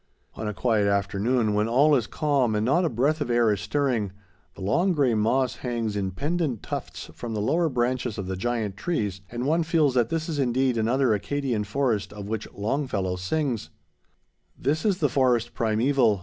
On a quiet afternoon, when all is calm and not a breath of air is stirring, the long, gray moss hangs in pendent tufts from the lower branches of the giant trees, and one feels that this is indeed another Acadian forest of which Longfellow sings: "This is the forest primeval.